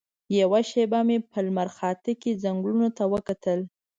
یوه شېبه مې په لمرخاته کې ځنګلونو ته وکتل.